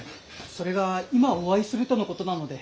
それが今お会いするとのことなので。